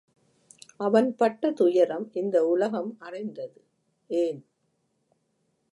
அவன் பட்ட துயரம் இந்த உலகம் அறிந்தது. ஏன்?